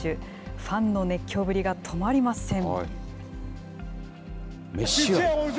ファンの熱狂ぶりが止まりません。